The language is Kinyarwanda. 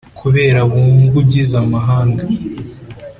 kubera bungwe ugize amahanga